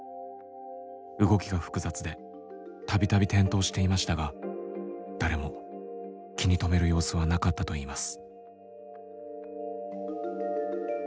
動きが複雑で度々転倒していましたが誰も気に留める様子はなかったといいます。